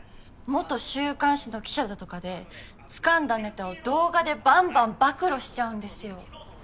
元週刊誌の記者だとかで掴んだネタを動画でバンバン暴露しちゃうんですよ。